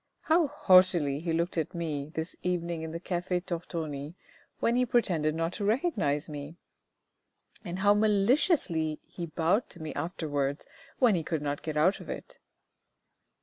How haughtily he looked at me this evening in the Cafe Tortoni when he pretended not to recognise me ! And how maliciously he bowed to me afterwards, when he could not get out of it."